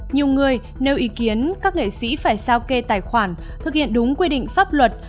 nhiều người nêu ý kiến các nghệ sĩ phải sao kê tài khoản thực hiện đúng quy định pháp luật